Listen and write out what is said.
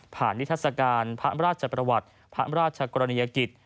นิทัศกาลพระราชประวัติพระราชกรณียกิจ